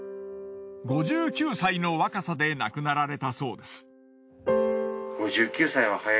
５９歳の若さで亡くなられたそうです。